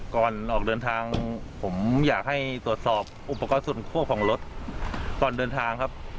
ก่อนออกเดินทางผมอยากให้ตรวจสอบอุปกรณ์ส่วนควบของรถก่อนเดินทางครับ